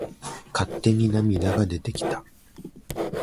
勝手に涙が出てきた。